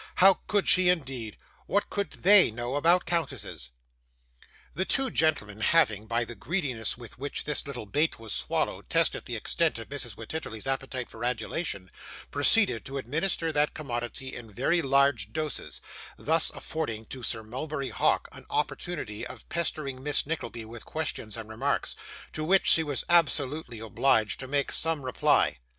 How could she, indeed? what did THEY know about countesses? The two gentlemen having, by the greediness with which this little bait was swallowed, tested the extent of Mrs. Wititterly's appetite for adulation, proceeded to administer that commodity in very large doses, thus affording to Sir Mulberry Hawk an opportunity of pestering Miss Nickleby with questions and remarks, to which she was absolutely obliged to make some reply.